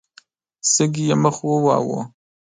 شګې يې مخ وواهه.